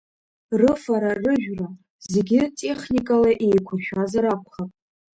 Рыфара-рыжәра зегьы техникала еиқәыршәазар акәхап.